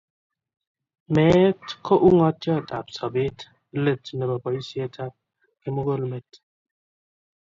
Meet ko ung'otyotab sobeet, let nebo boisyetab kimugul met.